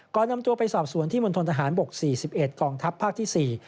ก่อนนำตัวไปสอบสวนที่มนตรฐานบก๔๑กองทัพภาคที่๔